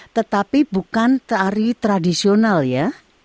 tetapi bukan tari tradisional ya